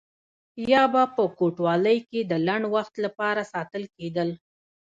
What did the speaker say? یا به په کوټوالۍ کې د لنډ وخت لپاره ساتل کېدل.